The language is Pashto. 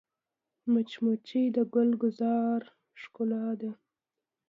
مچمچۍ د ګل ګلزار ښکلا ده